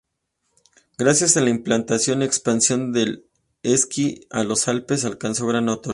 Gracias a la implantación y expansión del esquí en los Alpes alcanzó gran notoriedad.